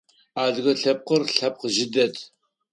Адыгэ лъэпкъыр лъэпкъ жъы дэд.